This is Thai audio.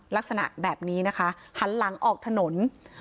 ลักษณะแบบนี้นะคะหันหลังออกถนน